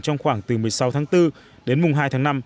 trong khoảng từ một mươi sáu tháng bốn đến mùng hai tháng năm